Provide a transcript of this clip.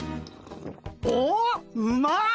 おうまっ！